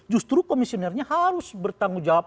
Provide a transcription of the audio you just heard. justru komisionernya harus bertanggung jawab